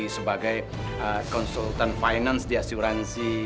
sebagai konsultan finance di asuransi